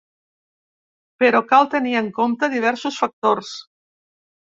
Però cal tenir en compte diversos factors.